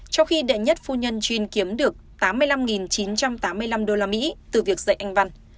trong khi đệ nhất phu nhân gene kiếm được tám mươi năm chín trăm tám mươi năm đô la mỹ từ việc dạy anh văn